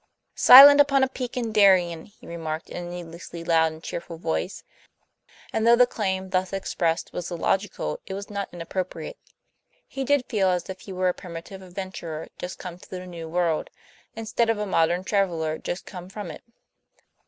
"Silent upon a peak in Darien," he remarked, in a needlessly loud and cheerful voice; and though the claim, thus expressed, was illogical, it was not inappropriate. He did feel as if he were a primitive adventurer just come to the New World, instead of a modern traveler just come from it.